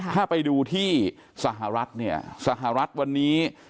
ถ้าไปดูที่สหรัฐเนี่ยสหรัฐวันนี้